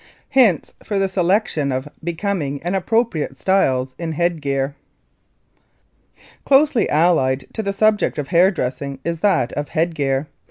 HINTS FOR THE SELECTION OF BECOMING AND APPROPRIATE STYLES IN HEAD GEAR. Closely allied to the subject of hair dressing is that of head gear.